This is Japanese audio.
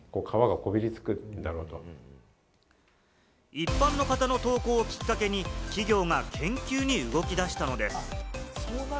一般の方の投稿をきっかけに、企業が研究に動き出したのです。